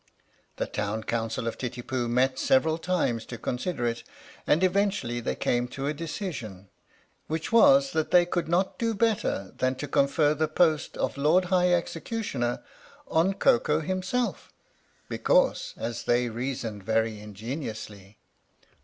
The Town Council of Titipu met several times to consider it, and eventually they came to a decision, which was that they could not do better than confer the post of Lord High Executioner on Koko himself, because, as they reasoned very ingeniously: (i).